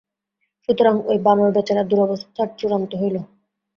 সুতরাং ঐ বানর-বেচারার দুরবস্থার চূড়ান্ত হইল।